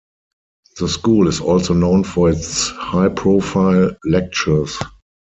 The School is also known for its high-profile lecturers.